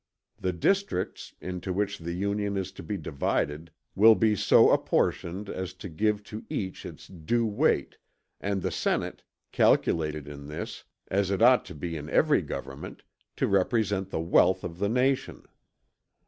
The districts, into which the Union is to be divided; will be so apportioned as to give to each its due weight, and the Senate, calculated in this, as it ought to be in every government, to represent the wealth of the nation.